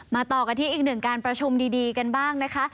ต่อกันที่อีกหนึ่งการประชุมดีกันบ้างนะคะ